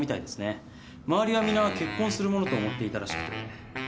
周りは皆結婚するものと思っていたらしくて。